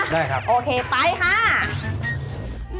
ได้ครับโอเคไปค่ะ